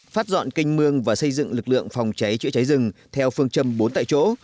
phát dọn canh mương và xây dựng lực lượng phòng cháy chữa cháy rừng theo phương châm bốn tại chỗ